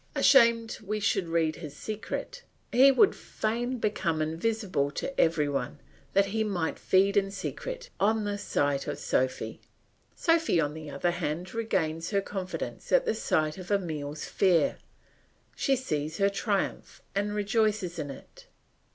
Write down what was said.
Ashamed that we should read his secret, he would fain become invisible to every one, that he might feed in secret on the sight of Sophy. Sophy, on the other hand, regains her confidence at the sight of Emile's fear; she sees her triumph and rejoices in it.